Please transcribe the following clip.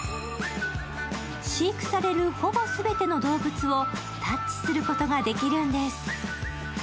飼育されるほぼ全ての動物をタッチすることができるんです。